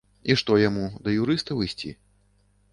І што яму, да юрыстаў ісці?